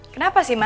kenapa sih ma